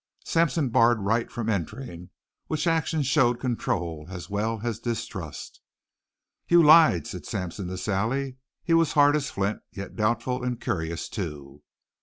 Sampson barred Wright from entering, which action showed control as well as distrust. "You lied!" said Sampson to Sally. He was hard as flint, yet doubtful and curious, too.